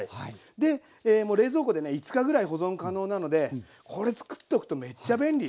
でもう冷蔵庫でね５日ぐらい保存可能なのでこれ作っとくとめっちゃ便利。